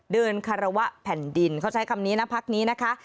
คารวะแผ่นดินเขาใช้คำนี้นะพักนี้นะคะ